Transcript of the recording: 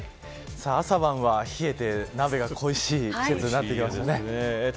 朝晩は冷えて、鍋が恋しい季節になってきましたね。